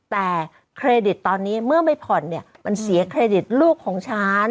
แต่เครดิตตอนนี้เมื่อไม่ผ่อนเนี่ยมันเสียเครดิตลูกของฉัน